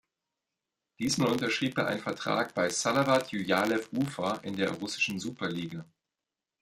Diesmal unterschrieb er einen Vertrag bei Salawat Julajew Ufa in der russischen Superliga.